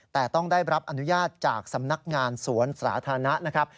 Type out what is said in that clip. แต่ต้องได้รับอนุญาตจากสำนักงานสวนสาธารณะนะครับ